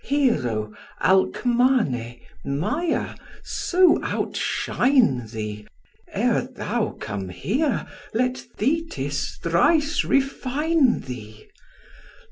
Hero, Alcmane, Mya, so outshine thee, Ere thou come here, let Thetis thrice refine thee.